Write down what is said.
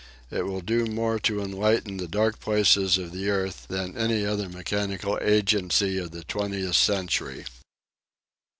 It will do more to enlighten the dark places of the earth than any other mechanical agency of the twentieth century.